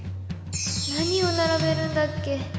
何を並べるんだっけ？